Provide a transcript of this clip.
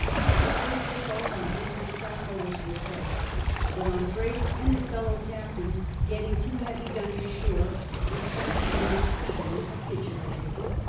The first assault on Bruce's Castle was repulsed, but on Drake and his fellow captains getting two heavy guns ashore, the Scots leader speedily capitulated.